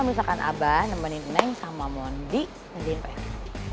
bisa kan abah nemenin neng sama mondi ngejain pr